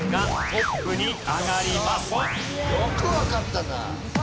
よくわかったな。